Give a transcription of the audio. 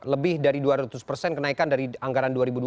lebih dari dua ratus persen kenaikan dari anggaran dua ribu dua puluh